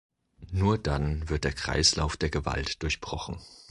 Nur dann wird der Kreislauf der Gewalt durchbrochen.